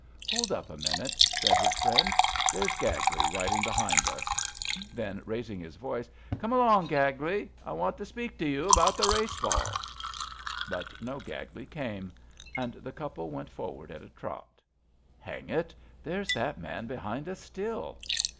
Hold up a minute/' said his friend, there's Gagley riding behind us. '' Then, raising his voice :Come along, Gagley I I want to speak to you about the Race Ball.'' But no Gagley came; and the couple went forward at a trot. Hang it I There's that man behind us still."